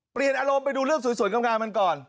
เปลี่ยนอารมณ์ไปดูเรื่องสวยงามมันก่อน